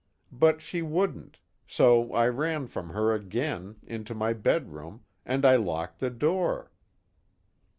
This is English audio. But she wouldn't, so I ran from her again, into my bedroom, and I locked the door."